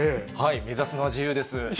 目指すのは自由です。